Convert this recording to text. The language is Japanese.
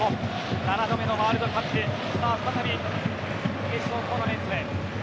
７度目のワールドカップ再び決勝トーナメントへ。